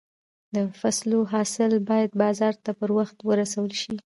د فصلو حاصل باید بازار ته پر وخت ورسول شي.